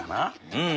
うん。